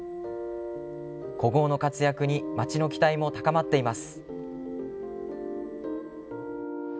古豪の活躍に町の期待も高まっています。